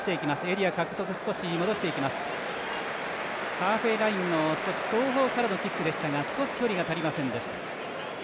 ハーフエーラインの少し後方からのキックでしたが少し距離が足りませんでした。